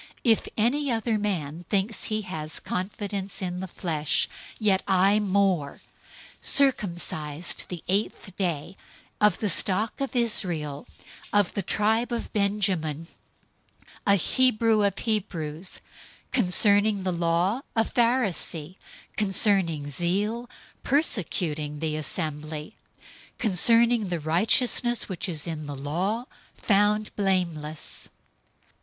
If any other man thinks that he has confidence in the flesh, I yet more: 003:005 circumcised the eighth day, of the stock of Israel, of the tribe of Benjamin, a Hebrew of Hebrews; concerning the law, a Pharisee; 003:006 concerning zeal, persecuting the assembly; concerning the righteousness which is in the law, found blameless.